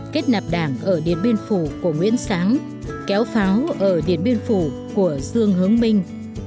kết nạp đảng ở điện biên phủ của nguyễn sáng kéo pháo ở điện biên phủ của dương hướng minh